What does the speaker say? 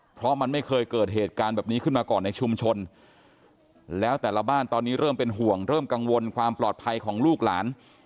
เพราะมันไม่เคยเกิดเหตุการณ์แบบนี้ขึ้นมาก่อนในชุมชนแล้วแต่ละบ้านตอนนี้เริ่มเป็นห่วงเริ่มกังวลความปลอดภัยของลูกหลาน